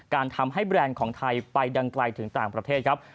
การทำให้แบรนด์ของไทยไปดังไกลถึงต่างประเทศครับ